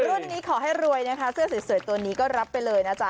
รุ่นนี้ขอให้รวยนะคะเสื้อสวยตัวนี้ก็รับไปเลยนะจ๊ะ